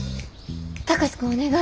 貴司君お願い！